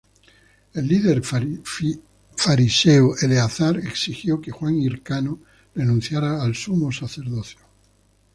El líder fariseo Eleazar exigió que Juan Hircano renunciara al sumo sacerdocio.